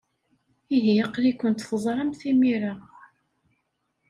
Ihi aql-ikent teẓramt imir-a.